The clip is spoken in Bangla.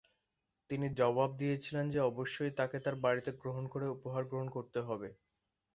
তিনি জবাব দিয়েছিলেন যে অবশ্যই তাকে তার বাড়িতে গ্রহণ করে উপহার গ্রহণ করতে হবে।